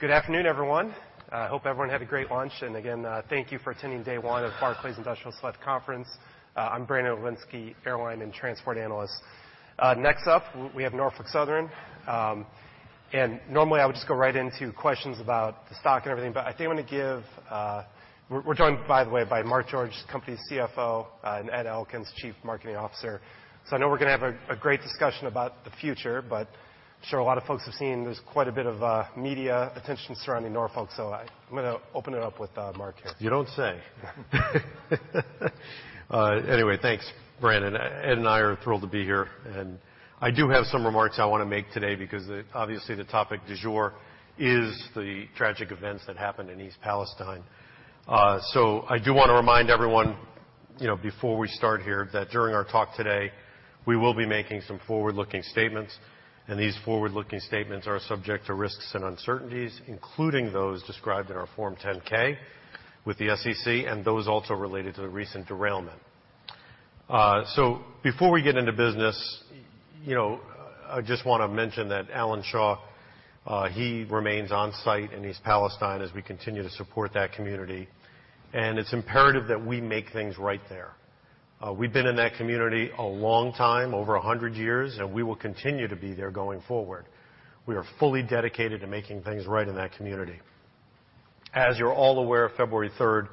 Good afternoon everyone. I hope everyone had a great lunch and again, thank you for attending day one of Barclays Industrial Select Conference. I'm Brandon Oglensky, airline and transport analyst. Next up we have Norfolk Southern. Normally I would just go right into questions about the stock and everything, but I think I'm going to give. We're joined by the way, by Mark George, company's CFO, and Ed Elkins, Chief Marketing Officer. I know we're going to have a great discussion about the future, but sure, a lot of folks have seen there's quite a bit of media attention surrounding Norfolk, so I'm going to open it up with Mark here. You don't say. Anyway, thanks, Brandon. Ed and I are thrilled to be here and I do have some remarks I want to make today because obviously the topic du jour is the tragic events that happened in East Palestine. I do want to remind everyone before we start here that during our talk today we will be making some forward-looking statements. These forward-looking statements are subject to risks and uncertainties, including those described in our Form 10-K with the SEC and those also related to the recent derailment. Before we get into business, you know, I just want to mention that Alan Shaw, he remains on site in East Palestine as we continue to support that community and it's imperative that we make things right there. We've been in that community a long time, over 100 years and we will continue to be there going forward. We are fully dedicated to making things right in that community. As you're all aware, February 3,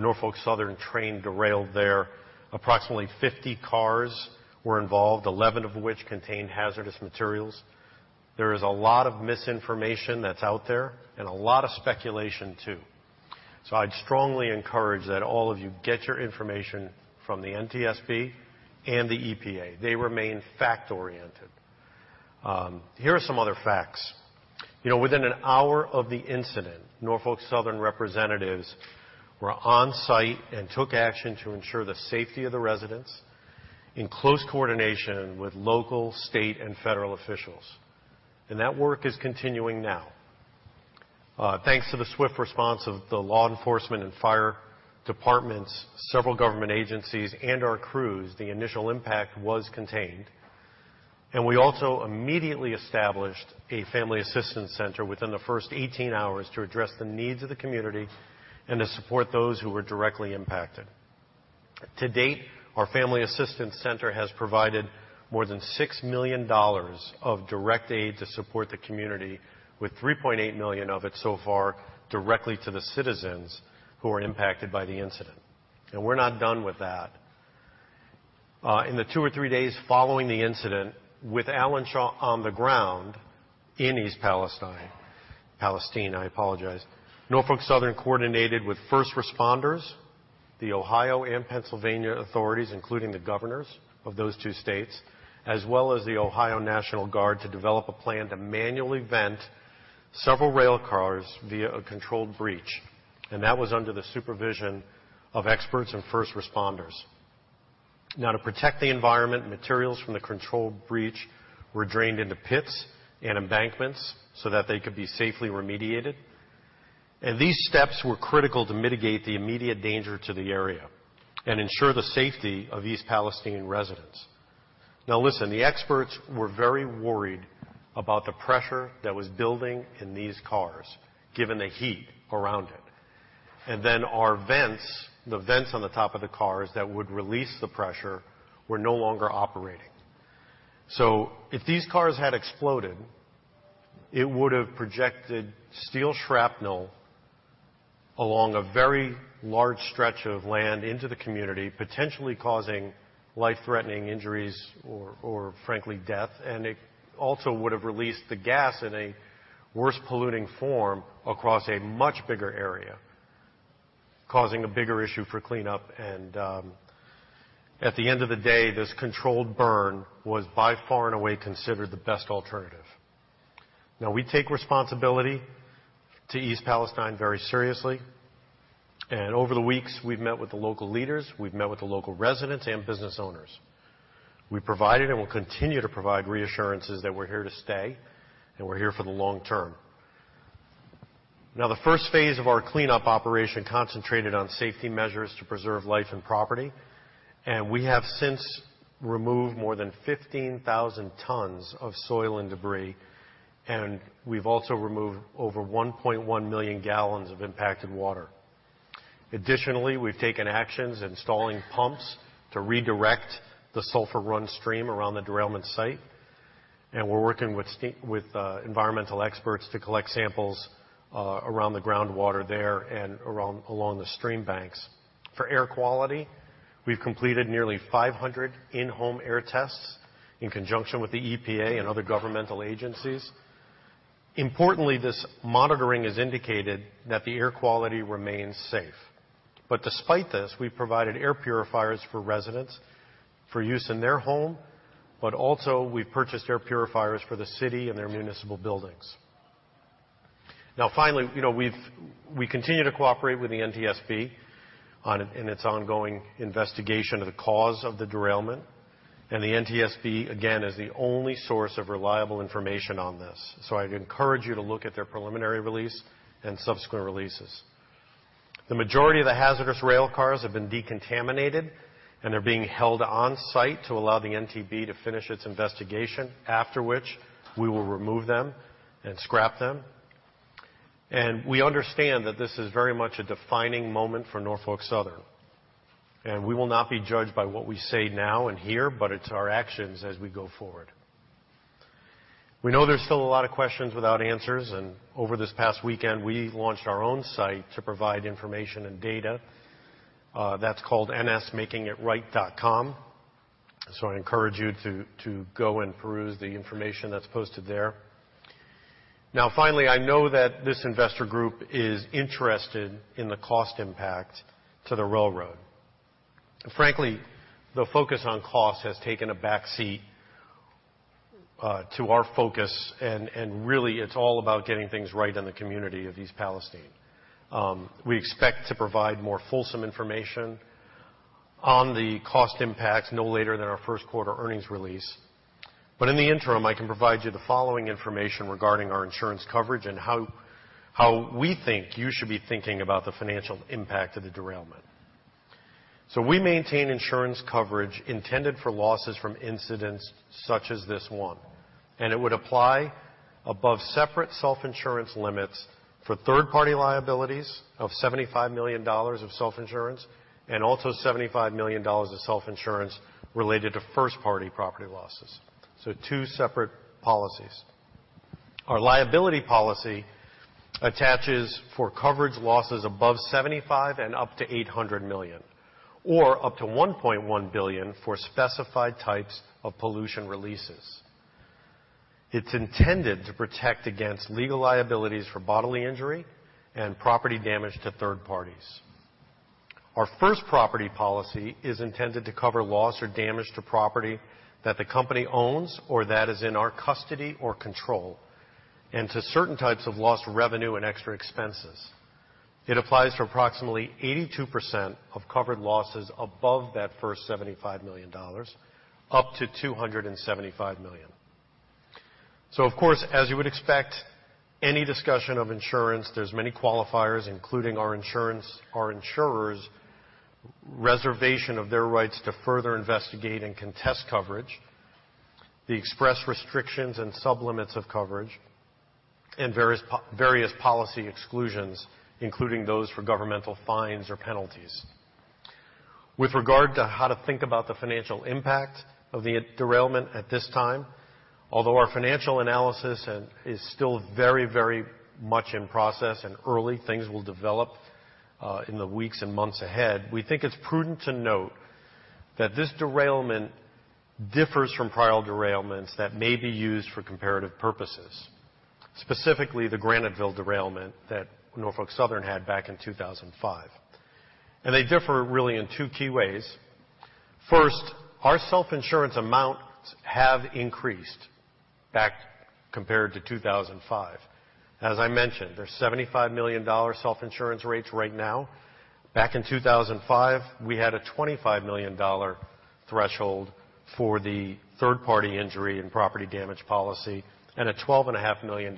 Norfolk Southern train derailed there. Approximately 50 cars were involved, 11 of which contained hazardous materials. There is a lot of misinformation that's out there and a lot of speculation too. I’d strongly encourage that all of you get your information from the NTSB and the EPA. They remain fact oriented. Here are some other facts you know. Within an hour of the incident, Norfolk Southern representatives were on site and took action to ensure the safety of the residents in close coordination with local, state and federal officials. That work is continuing now thanks to the swift response of the law enforcement and fire departments, several government agencies and our crews. The initial impact was contained and we also immediately established a Family Assistance Center within the first 18 hours to address the needs of the community and to support those who were directly impacted. To date, our Family Assistance Center has provided more than $6 million of direct aid to support the community with $3.8 million of it so far directly to the citizens who are impacted by the incident, and we're not done with that. In the two or three days following the incident with Alan Shaw on the ground in East Palestine. Palestine, I apologize. Norfolk Southern coordinated with first responders, the Ohio and Pennsylvania authorities, including the governors of those two states, as well as the Ohio National Guard, to develop a plan to manually vent several rail cars via a controlled breach. That was under the supervision of experts and first responders. To protect the environment, materials from the controlled breach were drained into pits and embankments so that they could be safely remediated. These steps were critical to mitigate the immediate danger to the area and ensure the safety of East Palestine residents. Listen, the experts were very worried about the pressure that was building in these cars, given the heat around it. The vents on the top of the cars that would release the pressure were no longer operating. If these cars had exploded, it would have projected steel shrapnel along a very large stretch of land into the community, potentially causing life threatening injuries or frankly, death. It also would have released the gas in a worse polluting form across a much bigger area, causing a bigger issue for cleanup. At the end of the day, this controlled burn was by far and away considered the best alternative. We take responsibility to East Palestine very seriously. Over the weeks, we've met with the local leaders, we've met with the local residents and business owners. We provided and will continue to provide reassurances that we're here to stay and we're here for the long term. The first phase of our cleanup operation concentrated on safety measures to preserve life and property. We have since removed more than 15,000 tons of soil and debris. We have also removed over 1.1 million gallons of impacted water. Additionally, we have taken actions installing pumps to redirect the Sulphur Run stream around the derailment site. We are working with environmental experts to collect samples around the groundwater there and along the stream banks. For air quality, we have completed nearly 500 in-home air tests in conjunction with the EPA and other governmental agencies. Importantly, this monitoring has indicated that the air quality remains safe. Despite this, we provided air purifiers for residents for use in their homes, and we have also purchased air purifiers for the city and their municipal buildings. Finally, you know, we continue to cooperate with the NTSB in its ongoing investigation of the cause of the derailment. The NTSB, again, is the only source of reliable information on this. I encourage you to look at their preliminary release and subsequent releases. The majority of the hazardous rail cars have been decontaminated and they're being held on site to allow the NTSB to finish its investigation, after which we will remove them and scrap them. We understand that this is very much a defining moment for Norfolk Southern and we will not be judged by what we say now and here, but it's our actions as we go forward. We know there's still a lot of questions without answers, and over this past weekend we launched our own site to provide information and data that's called nsmakingitright.com so I encourage you to go and peruse the information that's posted there now. Finally, I know that this investor group is interested in the cost impact to the railroad. Frankly, the focus on cost has taken a backseat to our focus and really it's all about getting things right in the community of East Palestine. We expect to provide more fulsome information on the cost impacts no later than our first quarter earnings release. In the interim I can provide you the following information regarding our insurance coverage and how we think you should be thinking about the financial impact of the derailment. We maintain insurance coverage intended for losses from incidents such as this one, and it would apply above separate self insurance limits for third party liabilities of $75 million of self insurance and also $75 million of self insurance related to first party property losses. Two separate policies. Our liability policy attaches for coverage losses above $75 million and up to $800 million or up to $1.1 billion for specified types of pollution releases. It's intended to protect against legal liabilities for bodily injury and property damage to third parties. Our first property policy is intended to cover loss or damage to property that the company owns or that is in our custody or control, and to certain types of lost revenue and extra expenses. It applies to approximately 82% of covered losses above that first $75 million up to $275 million. Of course, as you would expect any discussion of insurance, there's many qualifiers, including our insurance, our insurers' reservation of their rights to further investigate and contest coverage, the express restrictions and sub limits of coverage, and various policy exclusions, including those for governmental fines or penalties. With regard to how to think about the financial impact of the derailment at this time. Although our financial analysis is still very, very much in process and early, things will develop in the weeks and months ahead, we think it's prudent to note that this derailment differs from prior derailments that may be used for comparative purposes. Specifically, the Graniteville derailment that Norfolk Southern had back in 2005. They differ really in two key ways. First, our self-insurance amounts have increased compared to 2005. As I mentioned, there's $75 million self-insurance rates right now. Back in 2005, we had a $25 million threshold for the third party injury and property damage policy and a $12.5 million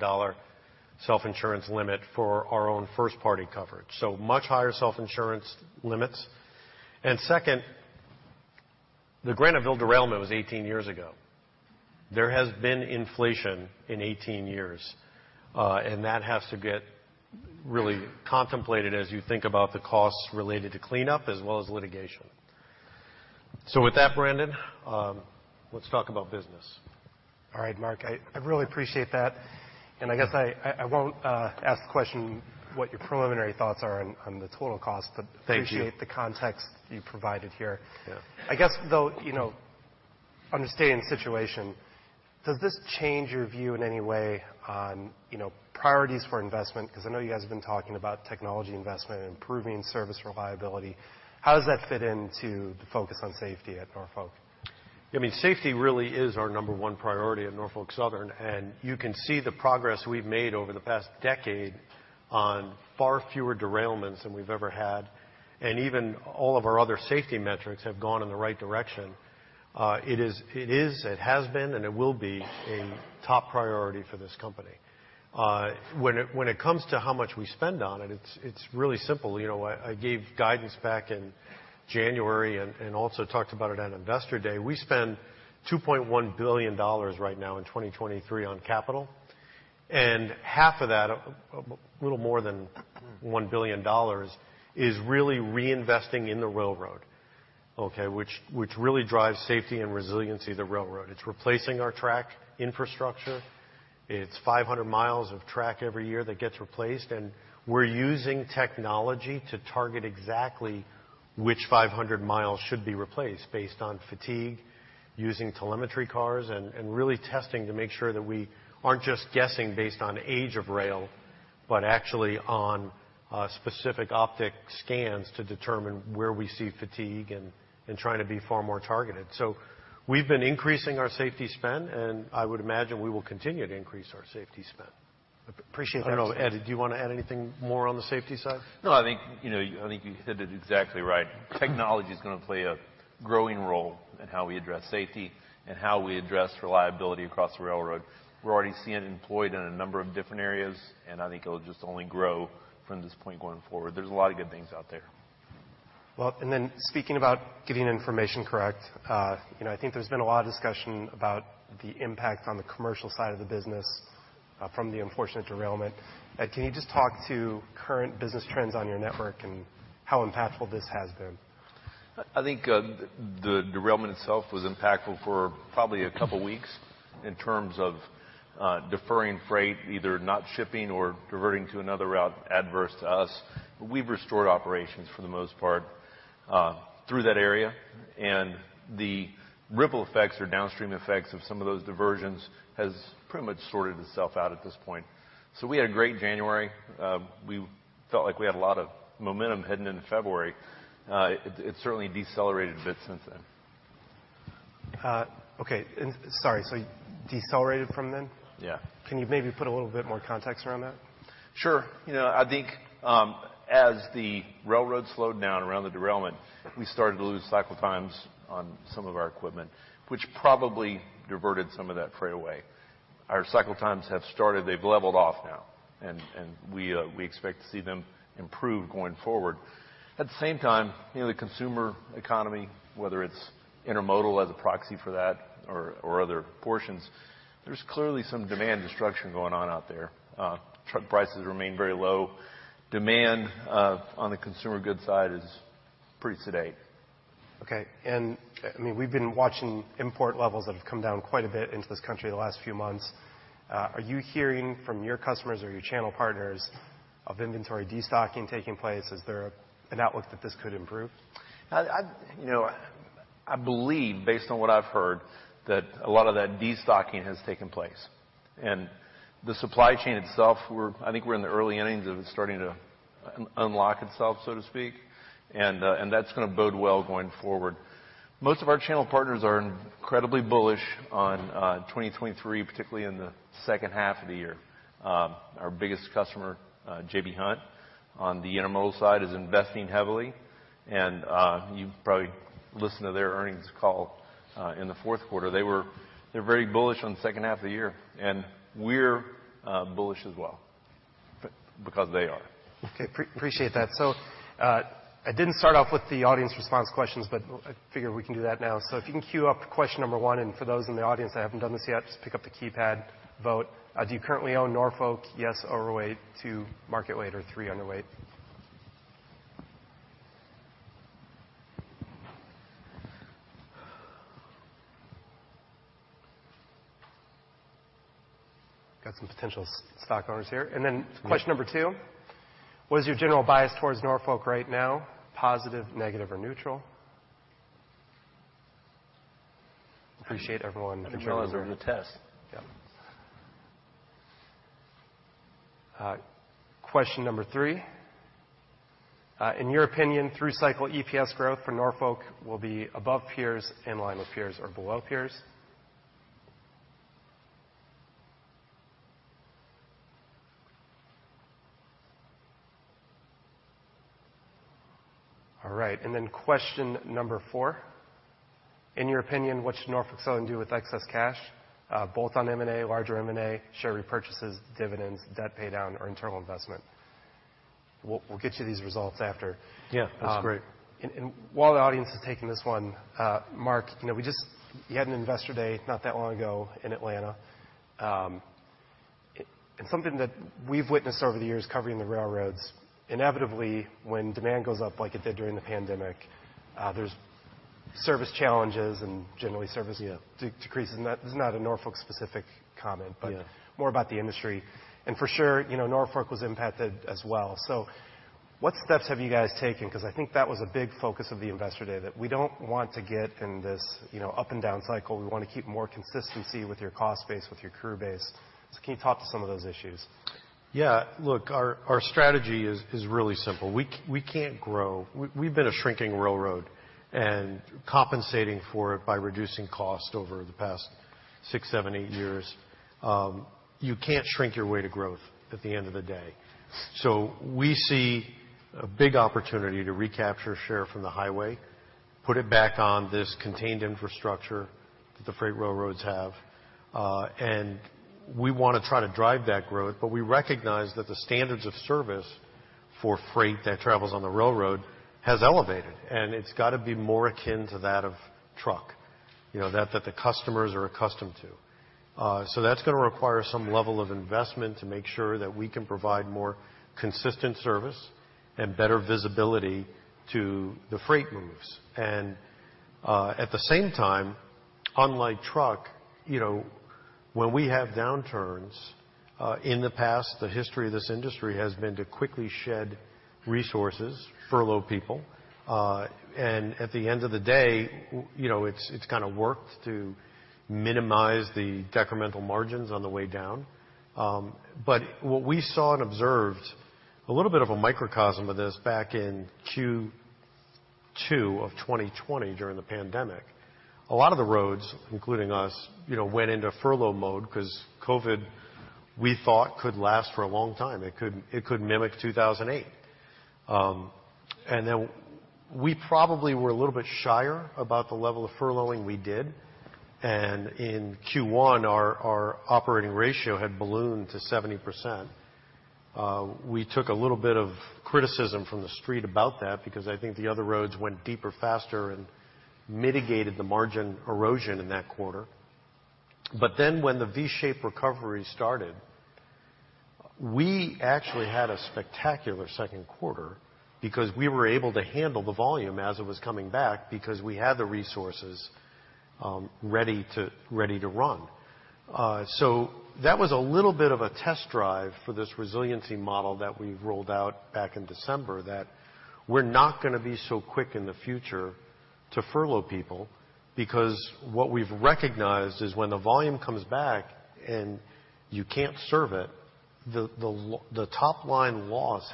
self-insurance limit for our own first party coverage. Much higher self-insurance limits. Second, the Graniteville derailment was 18 years ago. There has been inflation in 18 years. That has to get really contemplated as you think about the costs related to cleanup as well as litigation. With that, Brandon, let's talk about business. All right, Mark, I really appreciate that, and I guess I won't ask the question what your preliminary thoughts are on the total cost, but appreciate the context you provided here. I guess, though, you know, understand situation. Does this change your view in any way on, you know, priorities for investment? Because I know you guys have been talking about technology investment, improving service, reliability. How does that fit into the focus on safety at Norfolk? I mean, safety really is our number one priority at Norfolk Southern. You can see the progress we've made over the past decade on far fewer derailments than we've ever had. Even all of our other safety metrics have gone in the right direction. It is, it has been, and it will be a top priority for this company when it comes to how much we spend on it. It's. It's really simple. You know, I gave guidance back in January and also talked about it at investor day. We spend $2.1 billion right now in 2023 on capital, and half of that, a little more than $1 billion, is really reinvesting in the railroad. Okay. Which really drives safety and resiliency of the railroad. It's replacing our track infrastructure. It's 500 miles of track every year that gets replaced. We are using technology to target exactly which 500 miles should be replaced based on fatigue, using telemetry cars, and really testing to make sure that we aren't just guessing based on age of rail, but actually on specific optic scans to determine where we see fatigue and trying to be far more targeted. We have been increasing our safety spend, and I would imagine we will continue to increase our safety spend. Appreciate that. I know. Ed, do you want to add anything more on the safety side? No, I think, you know, I think you said it exactly right. Technology is going to play a growing role in how we address safety and how we address reliability across the railroad. We're already seeing it employed in a number of different areas, and I think it'll just only grow from this point going forward. There's a lot of good things out there. And then speaking about getting information correct, you know, I think there's been a lot of discussion about the impact on the commercial side of the business from the unfortunate derailment. Can you just talk to current business trends on your network and how impactful this has been? I think the derailment itself was impactful for probably a couple weeks in terms of deferring freight, either not shipping or diverting to another route adverse to us. We have restored operations for the most part through that area. The ripple effects or downstream effects of some of those diversions have pretty much sorted itself out at this point. We had a great January. We felt like we had a lot of momentum heading into February. It certainly decelerated a bit since then. Okay, sorry. Decelerated from then? Yeah. Can you maybe put a little bit more context around that? Sure. You know, I think as the railroad slowed down around the derailment, we started to lose cycle times on some of our equipment, which probably diverted some of that freight away. Our cycle times have started. They've leveled off now, and we expect to see them improve going forward. At the same time, you know, the consumer economy, whether it's intermodal as a proxy for that or other portions, there's clearly some demand destruction going on out there. Truck prices remain very low. Demand on the consumer goods side is pretty sedate. Okay. I mean, we've been watching import levels that have come down quite a bit into this country the last few months. Are you hearing from your customers or your channel partners of inventory destocking taking place? Is there an outlook that this could improve? You know, I believe based on what I've heard, that a lot of that destocking has taken place. And the supply chain itself, we're. I think we're in the early innings of it starting to unlock itself, so to speak. And that's going to bode well going forward. Most of our channel partners are incredibly bullish on 2023, particularly in the second half of the year. Our biggest customer, J.B. Hunt, on the intermodal side is investing heavily, and you probably listen to their earnings call in the fourth quarter. They were. They're very bullish on the second half of the year. We're bullish as well, because they are. Okay, appreciate that. I did not start off with the audience response questions, but I figured we can do that now. If you can queue up question number one, and for those in the audience that have not done this yet, just pick up the keypad and vote. Do you currently own Norfolk? Yes. Overweight, two market weight or three underweight. Got some potential stock owners here. Question number two, what is your general bias towards Norfolk right now? Positive, negative or neutral? Appreciate everyone, the generalizer of the test. Question number three, in your opinion, through cycle EPS growth for Norfolk will be above peers, in line with peers or below peers. All right, question number four, in your opinion, what should Norfolk selling do with excess cash, bolt on M&A, larger M&A, share repurchases, dividends, debt pay down or internal investment? We'll get you these results after. Yeah, that's great. While the audience is taking this one, Mark, you know we just, you had an investor day not that long ago in Atlanta and something that we've witnessed over the years covering the railroads. Inevitably when demand goes up like it did during the pandemic, there's service challenges and generally service decreases. That is not a Norfolk specific comment, but more about the industry and for sure, you know, Norfolk was impacted as well. What steps have you guys taken? Because I think that was a big focus of the investor day that we don't want to get in this up and down cycle. We want to keep more consistency with your cost base, with your crew base. Can you talk to some of those issues? Yeah, look, our strategy is really simple. We can't grow. We've been a shrinking railroad and compensating for it by reducing cost over the past six, seven, eight years. You can't shrink your way to growth at the end of the day. We see a big opportunity to recapture share from the highway, put it back on this contained infrastructure that the freight railroads have. We want to try to drive that growth. We recognize that the standards of service for freight that travels on the railroad has elevated and it's got to be more akin to that of truck that the customers are accustomed to. That is going to require some level of investment to make sure that we can provide more consistent service and better visibility to the freight moves. At the same time, unlike truck, when we have downturns in the past, the history of this industry has been to quickly shed resources, furlough people, and at the end of the day, you know, it's kind of worked to minimize the decremental margins on the way down. What we saw and observed, a little bit of a microcosm of this back in Q2 of 2020, during the pandemic, a lot of the roads, including us, you know, went into furlough mode because Covid, we thought, could last for a long time. It could mimic 2008. We probably were a little bit shyer about the level of furloughing we did. In Q1, our operating ratio had ballooned to 70%. We took a little bit of criticism from the street about that because I think the other roads went deeper, faster and mitigated the margin erosion in that quarter. When the V-shaped recovery started, we actually had a spectacular second quarter because we were able to handle the volume as it was coming back because we had the resources ready to, ready to run. That was a little bit of a test drive for this resiliency model that we rolled out back in December that we're not going to be so quick in the future to furlough people because what we've recognized is when the volume comes back and you can't serve it, the top line loss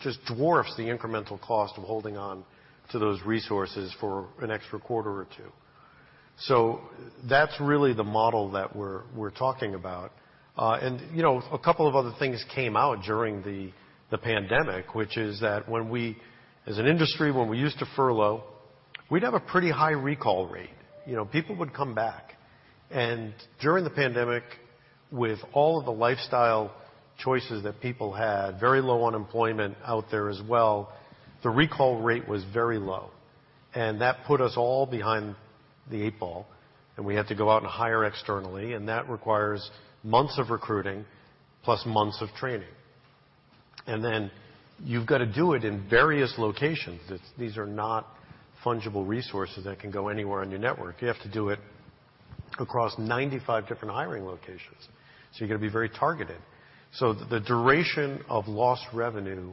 just dwarfs the incremental cost of holding on to those resources for an extra quarter or two. That's really the model that we're talking about. You know, a couple of other things came out during the pandemic, which is that when we as an industry, when we used to furlough, we'd have a pretty high recall rate. You know, people would come back. During the pandemic, with all of the lifestyle choices that people had, very low unemployment out there as well, the recall rate was very low. That put us all behind the eight ball and we had to go out and hire externally. That requires months of recruiting plus months of training. You have to do it in various locations. These are not fungible resources that can go anywhere on your network. You have to do it across 95 different hiring locations. You have to be very targeted. The duration of lost revenue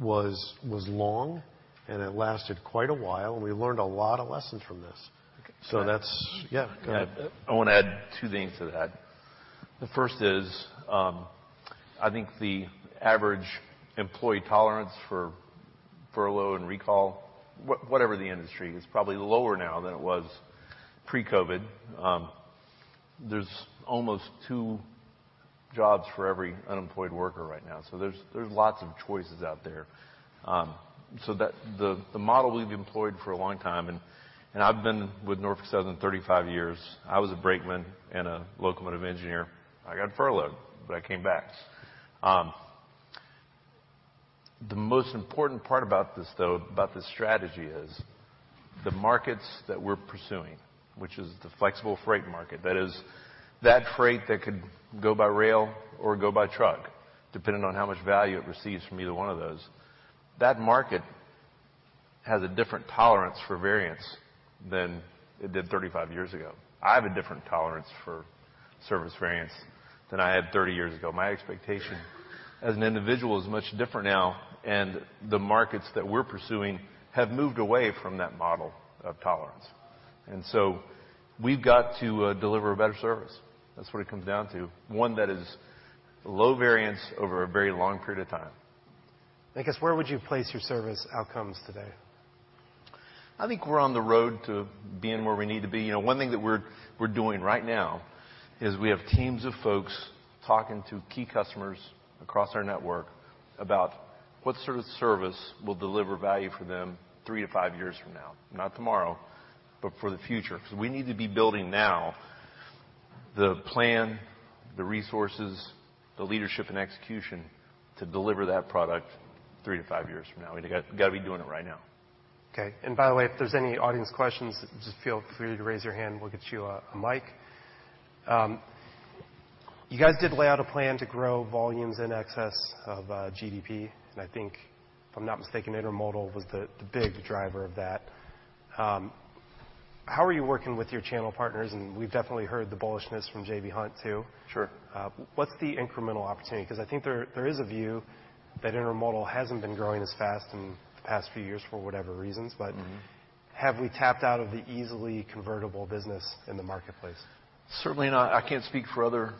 was long and it lasted quite a while. We learned a lot of lessons from this. That's it. Yeah, I want to add two things to that. The first is I think the average employee tolerance for furlough and recall, whatever the industry, is probably lower now than it was pre Covid. There's almost two jobs for every unemployed worker right now. There's lots of choices out there. The model we've employed for a long time, and I've been with Norfolk Southern 35 years. I was a brakeman and a local locomotive engineer. I got furloughed, but I came back. The most important part about this, though, about this strategy, is the markets that we're pursuing, which is the flexible freight market. That is that freight that could go by rail or go by truck, depending on how much value it receives from either one of those. That market has a different tolerance for variance than it did 35 years ago. I have a different tolerance for service variance than I had 30 years ago. My expectation as an individual is much different now. The markets that we're pursuing have moved away from that model of tolerance. We have to deliver a better service. That's what it comes down to. One that is low variance over a very long period of time, I guess. Where would you place your service outcomes today? I think we're on the road to being where we need to be. You know, one thing that we're doing right now is we have teams of folks talking to key customers across our network about what sort of service will deliver value for them three to five years from now. Not tomorrow, but for the future. Because we need to be building now the plan, the resources, the leadership and execution to deliver that product three to five years from now. We gotta be doing it right now. Okay. By the way, if there's any audience questions, just feel free to raise your hand. We'll get you a mic. You guys did lay out a plan to grow volumes in excess of GDP. I think, if I'm not mistaken, Intermodal was the big driver of that. How are you working with your channel partners? We've definitely heard the bullishness from J.B. Hunt too. Sure. What's the incremental opportunity? I think there is a view that Intermodal hasn't been growing as fast in the past few years for whatever reasons. Have we tapped out of the easily convertible business in the marketplace? Certainly not. I can't speak for other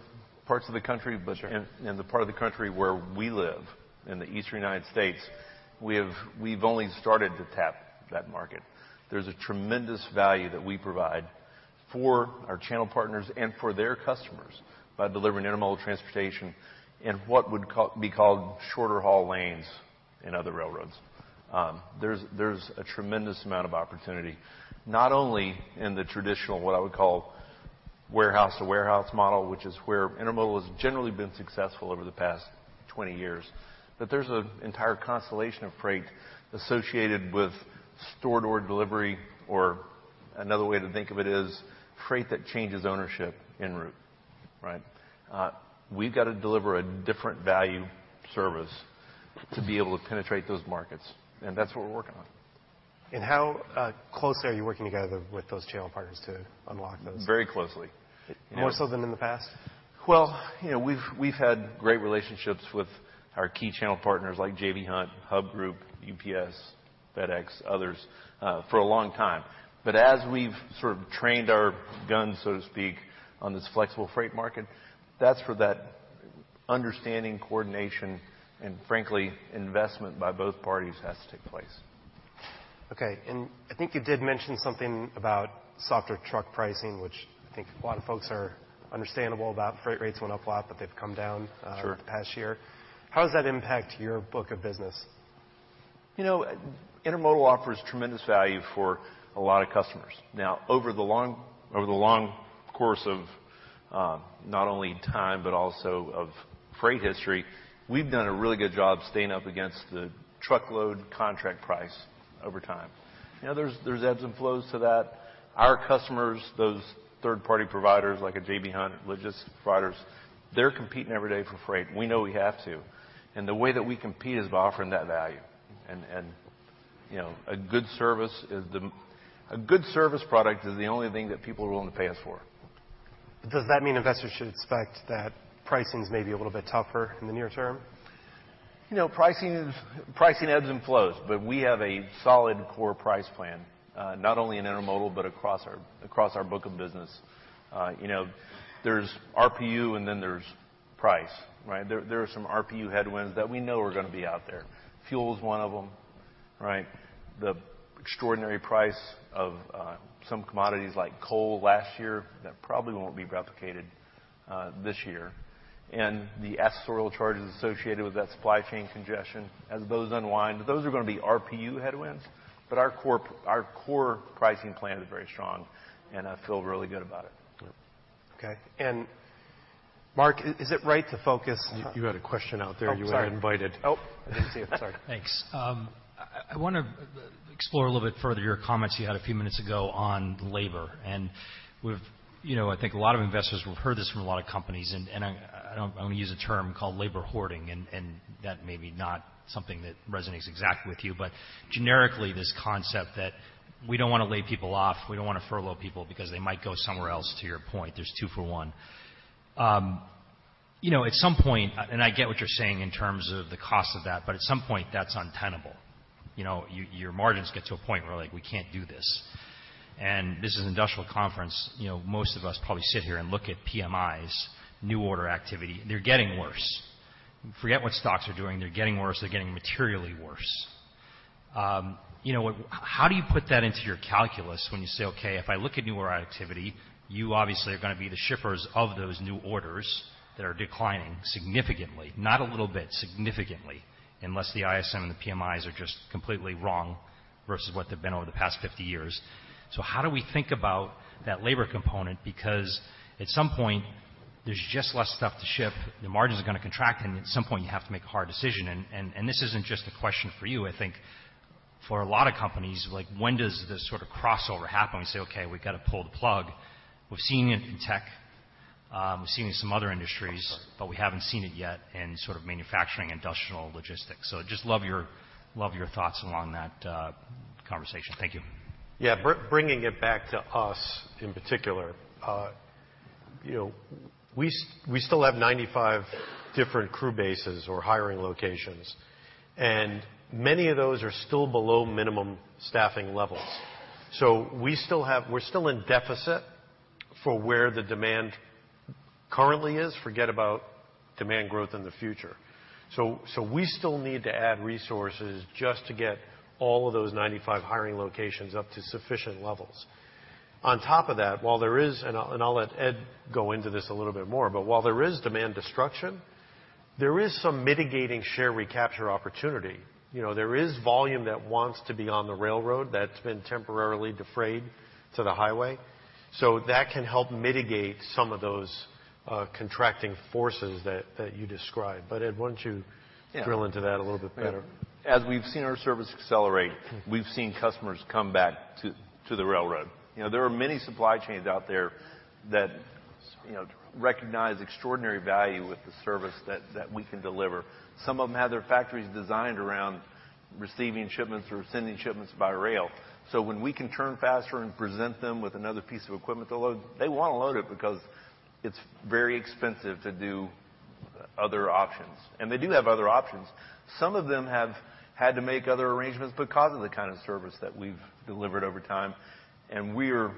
parts of the country, but in the part of the country where we live in the eastern United States, we have. We've only started to tap that market. There's a tremendous value that we provide for our channel partners and for their customers by delivering intermodal transportation in what would be called shorter haul lanes and other railroads. There's a tremendous amount of opportunity, not only in the traditional, what I would call warehouse to warehouse model, which is where intermodal has generally been successful over the past 20 years. There's an entire constellation of freight associated with store door delivery. Or another way to think of it is freight that changes ownership enroute. Right. have got to deliver a different value service to be able to penetrate those markets. That is what we are working on. How close are you working together with those channel partners to unlock those? Very closely. More so than in the past? You know, we've had great relationships with our key channel partners like J.B. Hunt, Hub Group, UPS, FedEx, others for a long time. As we've sort of trained our guns, so to speak, on this flexible freight market, that understanding, coordination, and frankly investment by both parties has to take place. Okay. I think you did mention something about softer truck pricing, which I think a lot of folks are understandable about freight rates went up a lot, but they've come down the past year. How does that impact your book of business? You know, Intermodal offers tremendous value for a lot of customers. Now over the long, over the long course of not only time but also of freight history, we've done a really good job staying up against the truckload contract price over time. You know there's, there's ebbs and flows to that. Our customers, those third party providers like a J.B. Hunt logistics providers, they're competing every day for freight. We know we have to. The way that we compete is by offering that value. You know, a good service is the, a good service product is the only thing that people are willing to pay us for. Does that mean investors should expect that pricing is maybe a little bit tougher in the near term? You know, pricing, pricing ebbs and flows. But we have a solid core price point plan not only in Intermodal but across our, across our book of business. You know, there's RPU and then there's price. Right. There are some RPU headwinds that we know are going to be out there. Fuel is one of them. Right. The extraordinary price of some commodities like coal last year that probably will not be replicated this year. The silo charges associated with that supply chain congestion, as those unwind, those are going to be RPU headwinds. Our core, our core pricing plan is very strong and I feel really good about it. Okay. Mark, is it right to focus? You had a question out there, you were invited. Oh, I didn't see it, sorry. Thanks. I want to explore a little bit further your comments you had a few minutes ago on labor. You know, I think a lot of investors have heard this from a lot of companies. I'm going to use a term called labor hoarding and that may be not something that resonates exactly with you, but generically this concept that we don't want to lay people off, we don't want to furlough people because they might go somewhere else. To your point, there's two for one. You know, at some point, and I get what you're saying in terms of the cost of that, but at some point that's untenable. You know, your margins get to a point where like we can't do this and this is industrial conference. You know, most of us probably sit here and look at PMIs, new order activity, they're getting worse. Forget what stocks are doing, they're getting worse, they're getting materially worse. You know, how do you put that into your calculus when you say, okay, if I look at new order activity, you obviously are going to be the shippers of those new orders that are declining significantly. Not a little bit, significantly, unless the ISM and the PMIs are just completely wrong versus what they've been over the past 50 years. How do we think about that labor component? Because at some point there's just less stuff to ship, the margins are going to contract and at some point you have to make a hard decision. This isn't just a question for you. I think for a lot of companies, like when does this sort of crossover happen? We say, okay, we've got to pull the plug. We've seen it in tech, we've seen it in some other industries, but we haven't seen it yet in sort of manufacturing, industrial logistics. Just love your, love your thoughts along that conversation. Thank you. Yeah, bringing it back to us in particular, you know, we still have 95 different crew bases or hiring locations and many of those are still below minimum staffing levels. We still have, we're still in deficit for where the demand currently is. Forget about demand growth in the future. We still need to add resources just to get all of those 95 hiring locations up to sufficient levels. On top of that, while there is, and I'll let Ed go into this a little bit more, while there is demand destruction, there is some mitigating share recapture opportunity. You know, there is volume that wants to be on the railroad that's been temporarily defrayed to the highway. That can help mitigate some of those contracting forces that you described. Ed, once you drill into that. A little bit better, as we've seen our service accelerate, we've seen customers come back to the railroad. You know, there are many supply chains out there that, you know, recognize extraordinary value with the service that we can deliver. Some of them have their factories designed around receiving shipments or sending shipments by rail. When we can turn faster and present them with another piece of equipment to load, they want to load it because it's very expensive to do other options. They do have other options. Some of them have had to make other arrangements because of the kind of service that we've delivered over time. We're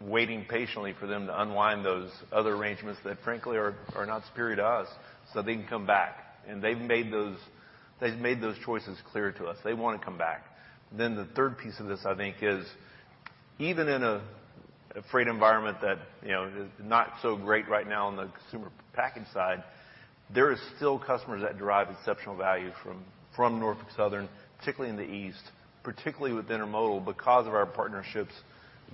waiting patiently for them to unwind those other arrangements that, frankly, are not superior to us so they can come back and they've made those. They've made those choices clear to us. They want to come back. The third piece of this, I think, is even in a freight environment that is not so great right now on the consumer package side, there are still customers that derive exceptional value from Norfolk Southern, particularly in the east, particularly with Intermodal, because of our partnerships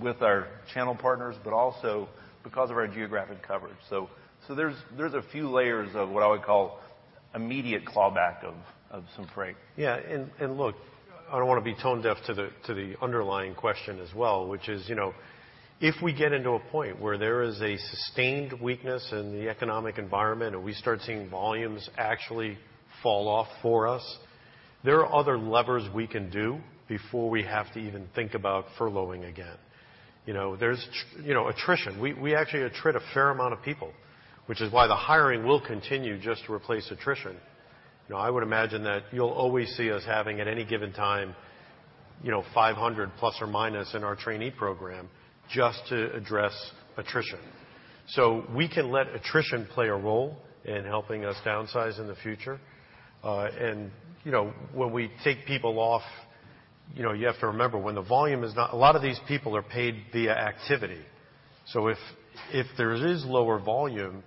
with our channel partners, but also because of our geographic coverage. There are a few layers of what I would call immediate clawback of some freight. Yeah, and look, I don't want to be tone deaf to the underlying question as well, which is, you know, if we get into a point where there is a sustained weakness in the economic environment and we start seeing volumes actually fall off for us, there are other levers we can do before we have to even think about furloughing again. You know, there's, you know, attrition. We actually attribute a fair amount of people, which is why the hiring will continue, just to replace attrition. I would imagine that you'll always see us having, at any given time, you know, 500 plus or minus in our trainee program just to address attrition. So we can let attrition play a role in helping us downsize in the future. You know, when we take people off, you have to remember when the volume is not, a lot of these people are paid via activity. So if there is lower volume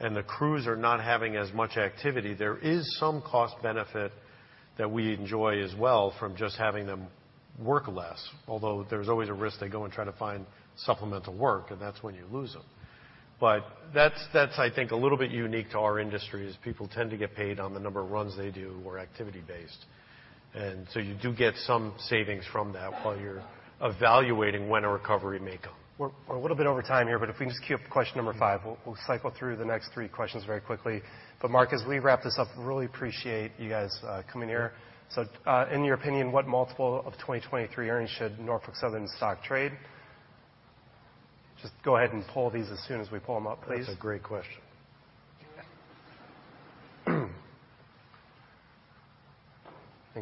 and the crews are not having as much activity, there is some cost benefit that we enjoy as well from just having them work less, although there's always a risk. They go and try to find supplemental work, and that's when you lose them. I think a little bit unique to our industry is people tend to get paid on the number of runs they do or activity based. You do get some savings from that while you're evaluating when a recovery may come. We're a little bit over time here, but if we just queue up question number five, we'll cycle through the next three questions very quickly. Mark, as we wrap this up, really appreciate you guys coming here. In your opinion, what multiple of 2023 earnings should Norfolk Southern stock trade? Just go ahead and pull these as soon as we pull them up, please. That's a great question.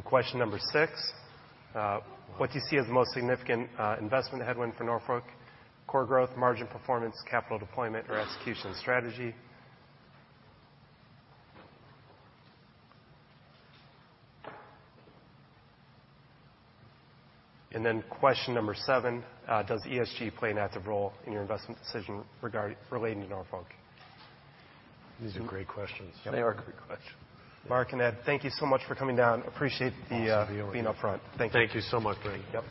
Question number six, what do you see as the most significant investment headwind for Norfolk? Core growth, margin performance, capital deployment or execution strategy? Question number seven, does ESG play an active role in your investment decision regarding relating to Norfolk? These are great questions. They are great questions. Mark and Ed, thank you so much for coming down. Appreciate the being up front. Thank you. Thank you so much, Brandon.